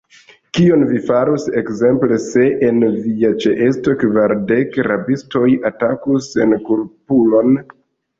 Kion vi farus, ekzemple, se en via ĉeesto kvardek rabistoj atakus senkulpulon?